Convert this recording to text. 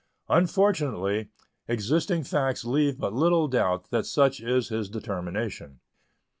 Unfortunately, existing facts leave but little doubt that such is his determination.